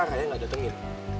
raya gak datengin